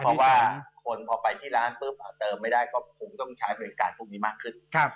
เพราะว่าคนขอไปที่ร้านเปลี่ยนแต่ไม่ได้ก็คงต้องใช้เมื่อการพวกนี้มากขึ้น